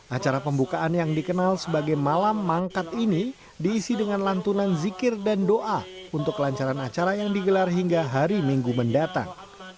acara pembukaan yang dikenal sebagai malam mangkat ini diisi dengan lantunan zikir dan doa untuk kelancaran acara yang digelar hingga hari minggu mendatang